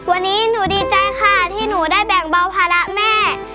วันนี้หนูดีใจค่ะที่หนูได้แบ่งเบาภาระแม่